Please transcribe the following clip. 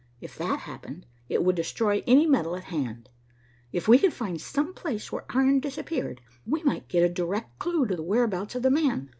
If that happened, it would destroy any metal at hand. If we could find some place where iron disappeared, we might get a direct clue to the whereabouts of the man.